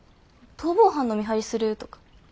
逃亡犯の見張りするとか。